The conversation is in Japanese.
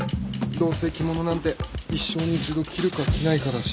どうせ着物なんて一生に一度着るか着ないかだし。